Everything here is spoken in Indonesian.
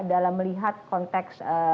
dalam melihat konteks